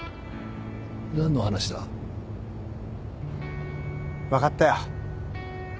何の話だ分かったよ